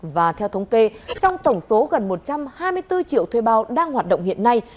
và theo thống kê trong tổng số gần một trăm hai mươi bốn triệu thuê bao đang hoạt động hiện nay